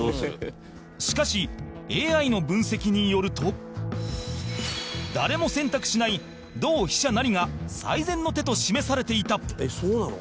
しかし、ＡＩの分析によると誰も選択しない同飛車成が最善の手と示されていた山崎：そうなの？